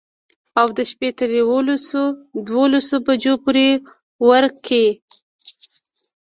او د شپي تر يوولس دولسو بجو پورې ورقې.